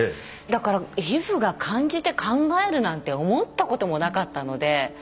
だから皮膚が感じて考えるなんて思ったこともなかったので。